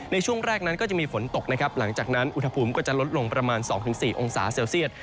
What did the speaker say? ในช่วงแรกนั้นจะมีฝนตกหลังจากนั้นอุทธภูมิกว่าจะลดลง๒๔องศาเซลเซียส